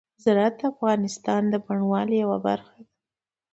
زراعت د افغانستان د بڼوالۍ یوه برخه ده.